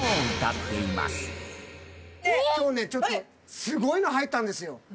今日ねちょっとスゴいの入ったんですよ。